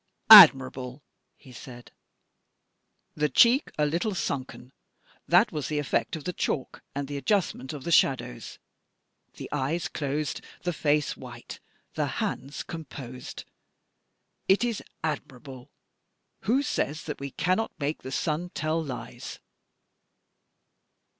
"Admirable!" he said. "The cheek a little sunken that was the effect of the chalk and the adjustment of the shadows the eyes closed, the face white, the hands composed. It is admirable! Who says that we cannot make the sun tell lies?"